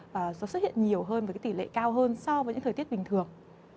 và nó xuất hiện nhiều hơn với tỷ lệ cao hơn so với những thời tiết bình thường